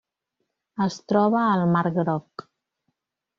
Es troba al mar Groc.